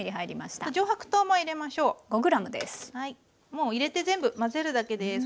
もう入れて全部混ぜるだけです。